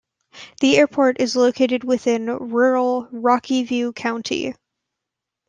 The airport is located within rural Rocky View County.